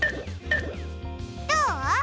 どう？